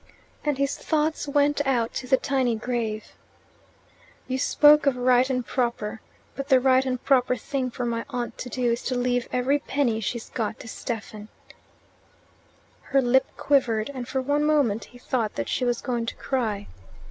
And his thoughts went out to the tiny grave. "You spoke of 'right and proper,' but the right and proper thing for my aunt to do is to leave every penny she's got to Stephen." Her lip quivered, and for one moment he thought that she was going to cry.